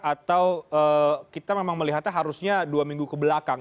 atau kita memang melihatnya harusnya dua minggu kebelakang